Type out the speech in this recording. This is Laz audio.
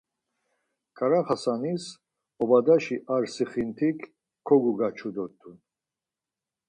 Ǩaaxasanis obadalaşi ar sixintik kogukaçu dort̆un.